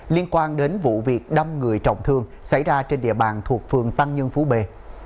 liên quan đến vụ việc đâm người trọng thương xảy ra trên địa bàn thuộc phường tăng nhân phú bề